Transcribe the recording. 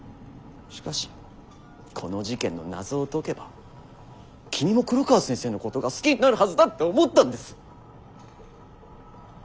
しかしこの事件の謎を解けば君も黒川先生のことが好きになるはずだって思ったんです。